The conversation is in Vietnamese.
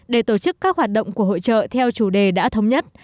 để tổ chức các hoạt động của hội trợ theo chủ đề đã thống nhất